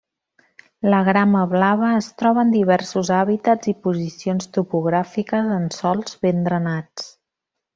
La grama blava es troba en diversos hàbitats i posicions topogràfiques en sòls ben drenats.